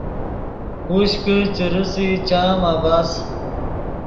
ہوش کہ چے رېسئے چام عبث